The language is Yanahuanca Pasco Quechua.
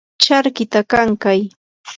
charkita kankay.